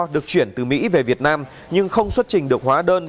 được chuyển từ mỹ về việt nam nhưng không xuất trình được hóa đơn